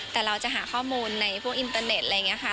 แต่เราจะหาข้อมูลในพวกอินเตอร์เน็ตอะไรอย่างนี้ค่ะ